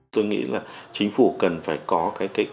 tôi nghĩ là chính phủ cần phải có cái kế hoạch